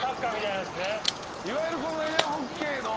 いわゆるこのエアホッケーの。